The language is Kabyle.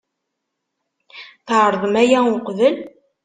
Tɛerḍem aya uqbel?